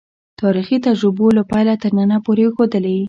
تاریخي تجربو له پیله تر ننه پورې ښودلې.